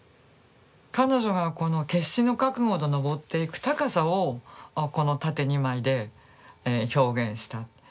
彼女がこの決死の覚悟でのぼっていく高さをこの縦２枚で表現した。